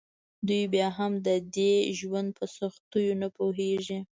دوی بیا هم د دې ژوند په سختیو نه پوهیږي